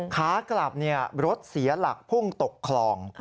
ขากลับรถเสียหลักพุ่งตกคลอง